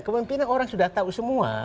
kemimpinan orang sudah tahu semua